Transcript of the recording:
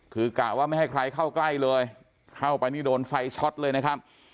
คือกะว่าไม่ให้ใครเข้าใกล้เลยเข้าไปนี่โดนไฟช็อตเลยนะครับ